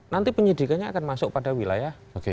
nanti penyidikannya akan masuk pada wilayah